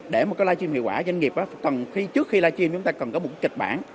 để một cái live stream hiệu quả doanh nghiệp trước khi live stream chúng ta cần có một kịch bản